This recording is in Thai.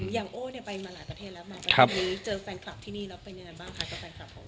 อย่างโอ้เนี่ยไปมาหลายประเทศแล้วครับหรือเจอแฟนคลับที่นี่แล้วเป็นยังไงบ้างครับ